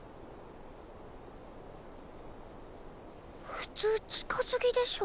普通近すぎでしょ。